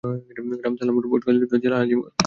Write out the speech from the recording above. গ্রামঃ Salarpur, পোষ্টঃ খালিলাবাদ জেলাঃ আজিমগড়।